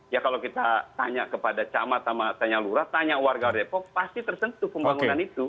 ya kalau kita tanya kepada camat sama tanya lurah tanya warga depok pasti tersentuh pembangunan itu